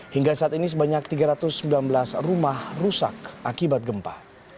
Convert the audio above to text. hingga saat ini sebanyak tiga ratus sembilan belas rumah rusak akibat gempa